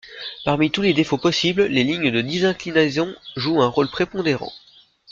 Parmi tous les défauts possibles, les lignes de disinclinaison jouent un rôle prépondérant.